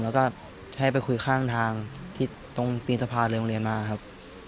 แล้วก็ให้ไปคุยข้างทางที่ตรงตีนสะพานเลยโรงเรียนมาครับ